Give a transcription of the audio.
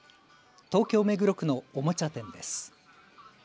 東京目黒区のおもちゃ店です。